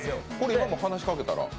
今も話しかけたら？